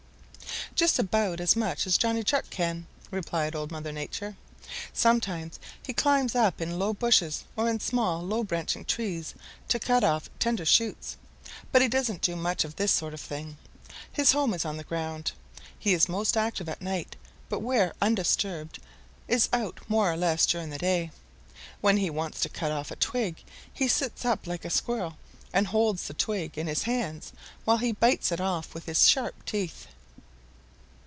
"Just about as much as Johnny Chuck can," replied Old Mother Nature. "Sometimes he climbs up in low bushes or in small, low branching trees to cut off tender shoots, but he doesn't do much of this sort of thing. His home is the ground. He is most active at night, but where undisturbed, is out more or less during the day. When he wants to cut off a twig he sits up like a Squirrel and holds the twig in his hands while he bites it off with his sharp teeth."